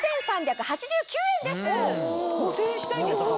５０００円しないんですか！